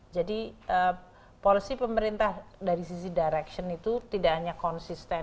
jadi polusi pemerintah dari sisi direction itu tidak hanya konsisten